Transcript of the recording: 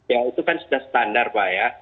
ya itu kan sudah standar pak ya